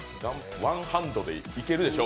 ワンハンドでいけるでしょ